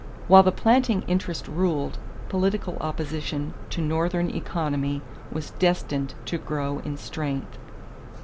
While the planting interest ruled, political opposition to Northern economy was destined to grow in strength.